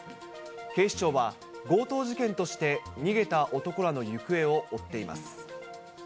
警視庁は強盗事件として逃げた男らの行方を追っています。